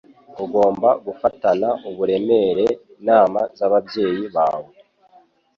Ugomba gufatana uburemere inama z'ababyeyi bawe